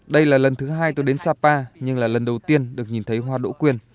đây là lần thứ hai tôi đến sapa nhưng là lần đầu tiên được nhìn thấy hoa đỗ quyên